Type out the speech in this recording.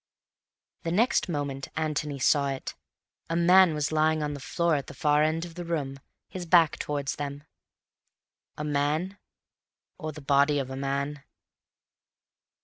The next moment Antony saw it. A man was lying on the floor at the far end of the room, his back towards them. A man? Or the body of a man?